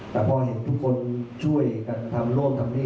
แต่พอเห็นทุกคนช่วยกันทำโน่นทำนี่